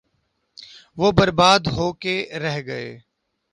وہ برباد ہو کے رہ گئے۔